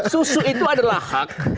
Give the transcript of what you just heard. susu itu adalah hak